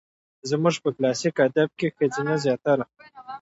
زموږ په کلاسيک ادب کې ښځه زياتره